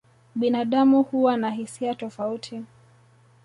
Binadamu huwa na hisia tofauti.